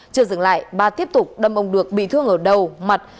chưa dừng lại ba tiếp tục đâm ông được bị thương ở đầu mặt